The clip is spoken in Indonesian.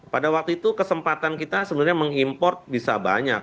pada waktu itu kesempatan kita sebenarnya mengimport bisa banyak